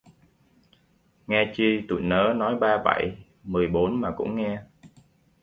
Nghe chi tụi nớ nói ba bảy mười bốn mà cũng nghe